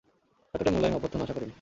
এতোটা মোলায়েম অভ্যর্থনা আশা করিনি!